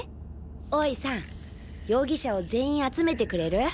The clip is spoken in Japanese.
大井さん容疑者を全員集めてくれる？